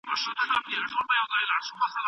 آیا تاسو ته په ټولګي کې د خبرو اجازه شته؟